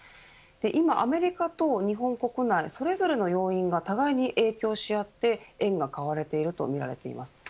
今、アメリカと日本国内それぞれの要因が互いに影響しあって円が買われているとみられています。